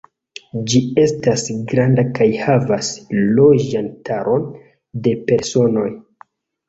Ĝi estas granda kaj havas loĝantaron de personoj.